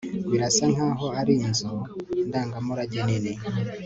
Birasa nkaho ari inzu ndangamurage nini